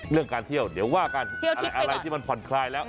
เรื่องการเที่ยวเดี๋ยวว่ากันอะไรที่มันผ่อนคลายแล้ว